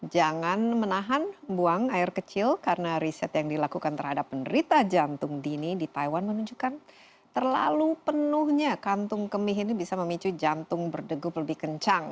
jangan menahan buang air kecil karena riset yang dilakukan terhadap penderita jantung dini di taiwan menunjukkan terlalu penuhnya kantung kemih ini bisa memicu jantung berdegup lebih kencang